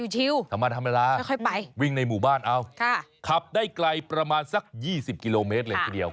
ชิวไม่ค่อยไปขับได้ไกลประมาณสัก๒๐กิโลเมตรเลยคือเดียว